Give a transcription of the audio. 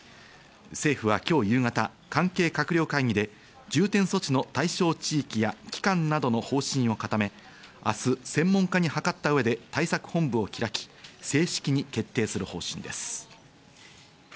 政府は今日夕方、関係閣僚会議で重点措置の対象地域や期間などの方針を固め、明日、専門家に諮った上で対策本部を開き、正式に決定する方針です。